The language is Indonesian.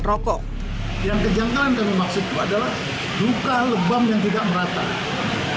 yang kejangkalan kami maksudkan adalah luka lebam yang tidak merata